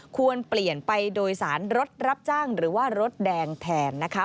ควรเปลี่ยนไปโดยสารรถรับจ้างหรือว่ารถแดงแทนนะคะ